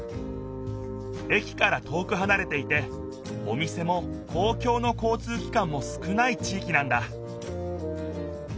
駅から遠くはなれていてお店も公共の交通機関も少ない地いきなんだ